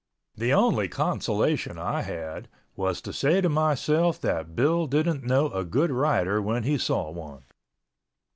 The only consolation I had was to say to myself that Bill didn't know a good rider when he saw one.